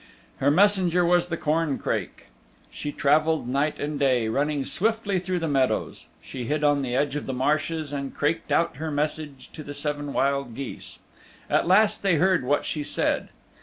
Her messenger was the corncrake. She traveled night and day, running swiftly through the meadows. She hid on the edge of the marshes and craked out her message to the seven wild geese. At last they heard what she said.